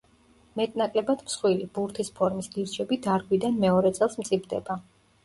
მეტნაკლებად მსხვილი, ბურთის ფორმის გირჩები დარგვიდან მეორე წელს მწიფდება.